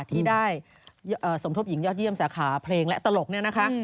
ที่ได้สมทบหญิงยอดเยี่ยมสาขาเพลงและตลกเนี่ยนะคะ